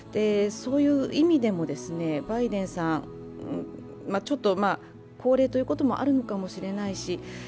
そういう意味でもバイデンさん、ちょっと高齢ということもあるのかもしれないし